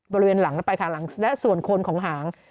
บริเวณหลังและส่วนโคนของหาง